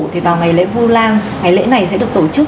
thì vào ngày lễ vu lan ngày lễ này sẽ được tổ chức